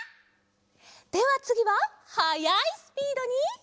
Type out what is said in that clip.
ではつぎははやいスピードに。